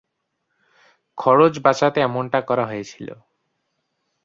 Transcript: খরচ বাঁচাতে এমনটা করা হয়েছিল।